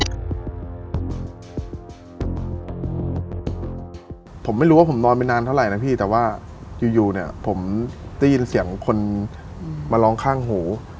ผมไม่รู้ว่าผมนอนไปนานเท่าไหร่นะพี่แต่ว่าอยู่เนี่ยผมได้ยินเสียงคนมาร้องข้างหู